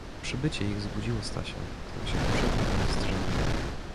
Przybycie ich zbudziło Stasia, który się poprzednio był zdrzemnął.